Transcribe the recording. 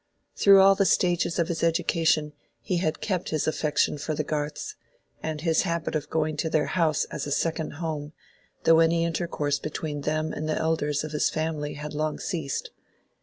Through all the stages of his education he had kept his affection for the Garths, and his habit of going to their house as a second home, though any intercourse between them and the elders of his family had long ceased.